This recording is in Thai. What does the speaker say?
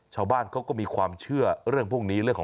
ชาวบ้านเขาก็มีความเชื่อเรื่องพวกนี้